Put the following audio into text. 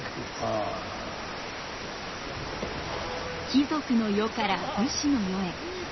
貴族の世から武士の世へ。